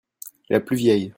La plus vieille